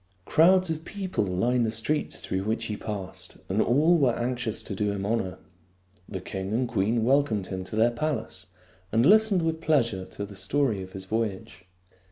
Crowds of people lined the streets through which he passed, and all were anxious to do him honor. The king and queen welcomed him to their palace and listened with pleasure to the story of his voyage.